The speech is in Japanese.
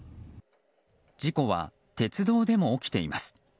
事故は鉄道でも起きています。